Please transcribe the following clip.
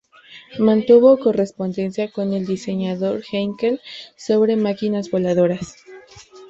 Mantuvo correspondencia con el diseñador Heinkel sobre máquinas voladoras.